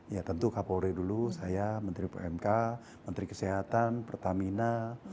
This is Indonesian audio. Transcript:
ya tentu kapolri dulu saya menteri pmk menteri kesehatan pertamina